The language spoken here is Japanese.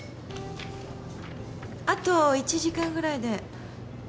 あと１時間ぐらいで。